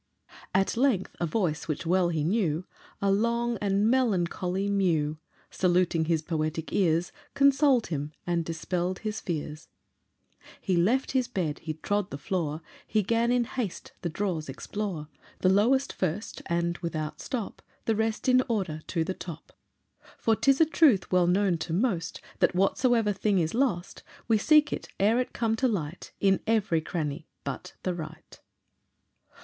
At length a voice which well he knew, A long and melancholy mew, Saluting his poetic ears, Consoled him and dispell'd his fears: He left his bed, he trod the floor, He 'gan in haste the drawers explore, The lowest first, and without stop The rest in order to the top. For 'tis a truth well known to most, That whatsoever thing is lost, We seek it, ere it come to light, In every cranny but the right.